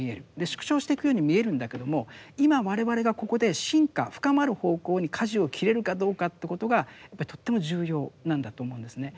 縮小していくように見えるんだけども今我々がここで深化深まる方向に舵を切れるかどうかということがやっぱりとっても重要なんだと思うんですね。